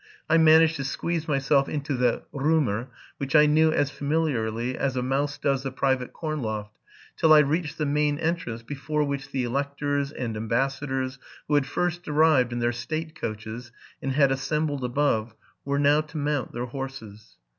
I managed to squeeze myself into the Ro mer, which I knew as familiarly as a mouse does the private corn loft, till I reached the main entrance, before which the electors and ambassadors, who had _ first arrived in their state coaches, and had assembled above, were now to mount their horses.